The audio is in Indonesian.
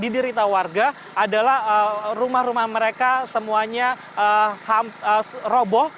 didirikan warga adalah rumah rumah mereka semuanya robo